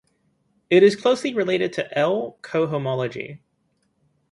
It is closely related to "L" cohomology.